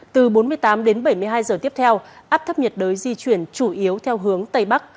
từ bốn mươi tám đến bảy mươi hai giờ tiếp theo áp thấp nhiệt đới di chuyển chủ yếu theo hướng tây bắc